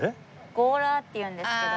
ゴーラーっていうんですけど。